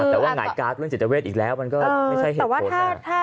แต่ว่าไงกับเรื่องจิตเจาเวชอีกแล้วมันก็ไม่ใช่เหตุผลนะ